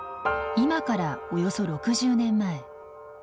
今からおよそ６０年前。